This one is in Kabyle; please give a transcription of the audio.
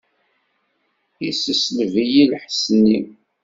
Yessesleb-iyi lḥess-nni.